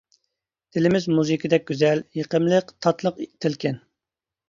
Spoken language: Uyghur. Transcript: تىلىمىز مۇزىكىدەك گۈزەل، يېقىملىق، تاتلىق تىلكەن.